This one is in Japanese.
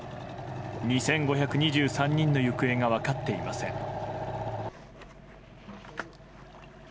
２５２３人の行方が分かっていません。